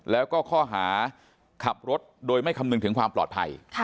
แล้วก็ข้อหาขับรถโดยไม่คำนึงถึงความปลอดภัย